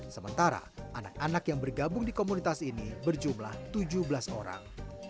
sementara anak anak yang bergabung di komunitas ini berjumlah tujuh belas orang